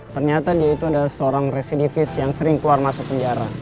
ternyata dia itu adalah seorang residivis yang sering keluar masuk penjara